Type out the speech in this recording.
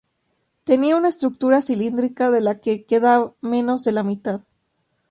Tenía una estructura cilíndrica de la que queda menos de la mitad.